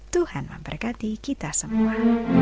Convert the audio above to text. tuhan memberkati kita semua